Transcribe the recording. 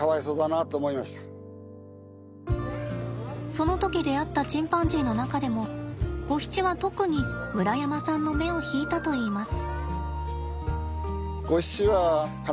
その時出会ったチンパンジーの中でもゴヒチは特に村山さんの目を引いたといいます。